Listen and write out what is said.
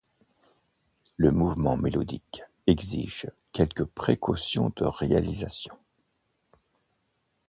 Le mouvement mélodique exige quelques précautions de réalisation.